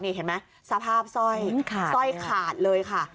นี่เห็นไหมสภาพสร่อยทัวขาดเลยค่ะ